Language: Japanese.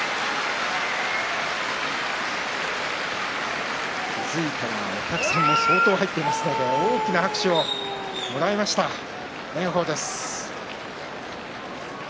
拍手気付いたらお客さんも相当入っているので大きな拍手をもらいました炎鵬です。